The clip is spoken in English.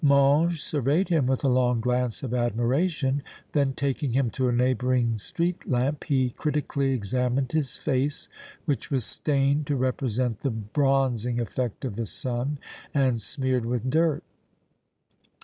Mange surveyed him with a long glance of admiration; then taking him to a neighboring street lamp, he critically examined his face, which was stained to represent the bronzing effect of the sun and smeared with dirt.